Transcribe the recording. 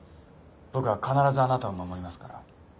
僕が必ずあなたを守りますから。